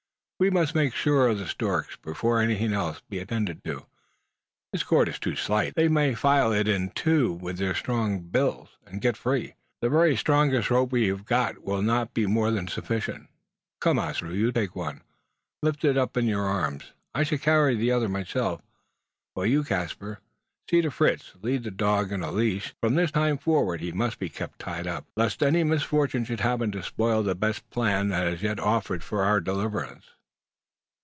We must make sure of the storks, before anything else be attended to. This cord is too slight. They may file it in two with their bills, and get free. The very strongest rope we have got will not be more than sufficient. Come, Ossaroo, you take one. Lift it up in your arms. I shall carry the other myself; while you, Caspar, see to Fritz. Lead the dog in a leash. From this time forward he must be kept tied up lest any misfortune should happen to spoil the best plan that has yet offered for our deliverance."